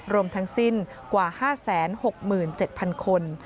รวมทั้งสิ้นกว่า๕๖๗๐๐คน